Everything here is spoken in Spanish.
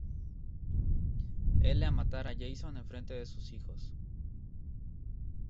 L a matar a Jason enfrente de sus hijos.